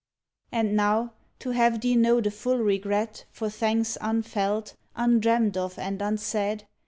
And now, to have thee know the full regret For thanks unfelt, undreamt of and unsaid